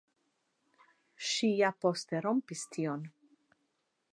Ŝi ja poste rompis tion.